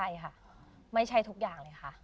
ใช่ค่ะไม่ใช่ทุกอย่างเลยค่ะ